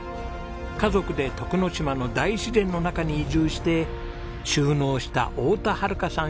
家族で徳之島の大自然の中に移住して就農した太田はるかさん